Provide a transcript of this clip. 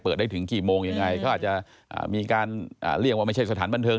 ได้ถึงกี่โมงยังไงก็อาจจะมีการเรียกว่าไม่ใช่สถานบันเทิง